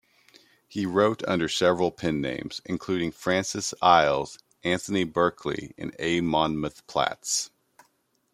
He wrote under several pen-names, including Francis Iles, Anthony Berkeley and A. Monmouth Platts.